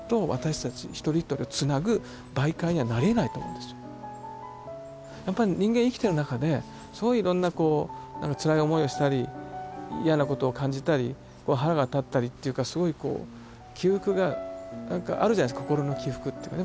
ですからそのやっぱり人間生きてる中ですごいいろんなこうつらい思いをしたり嫌なことを感じたりこう腹が立ったりっていうかすごいこう起伏があるじゃないすか心の起伏っていうかね。